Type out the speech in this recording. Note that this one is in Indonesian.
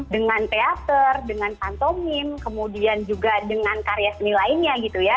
dengan teater dengan kantomim kemudian juga dengan karya seni lainnya gitu ya